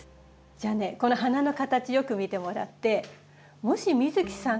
じゃあねこの花の形よく見てもらってもし美月さんがね